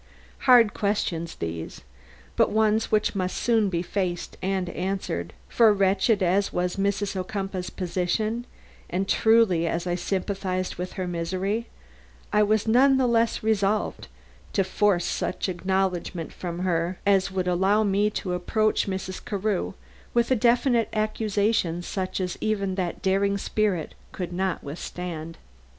Hard questions these, but ones which must soon be faced and answered; for wretched as was Mrs. Ocumpaugh's position and truly as I sympathized with her misery, I was none the less resolved, to force such acknowledgments from her as would allow me to approach Mrs. Carew with a definite accusation such as even that daring spirit could not withstand.